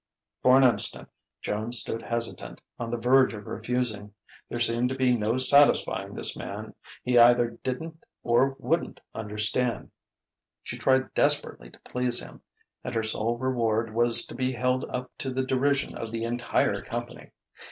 For an instant Joan stood hesitant, on the verge of refusing. There seemed to be no satisfying this man: he either didn't or wouldn't understand; she tried desperately to please him and her sole reward was to be held up to the derision of the entire company!